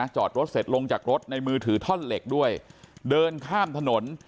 จอดรถเสร็จลงจากรถในมือถือท่อนเหล็กด้วยเดินข้ามถนน